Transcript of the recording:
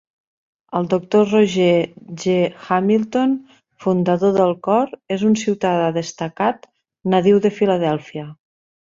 El doctor Robert G. Hamilton, fundador del cor, és un ciutadà destacat nadiu de Filadèlfia.